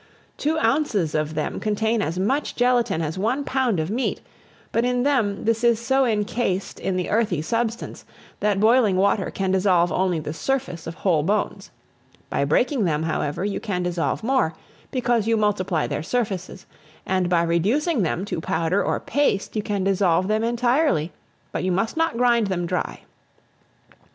Two ounces of them contain as much gelatine as one pound of meat; but in them, this is so incased in the earthy substance, that boiling water can dissolve only the surface of whole bones. By breaking them, however, you can dissolve more, because you multiply their surfaces; and by reducing them to powder or paste, you can dissolve them entirely; but you must not grind them dry.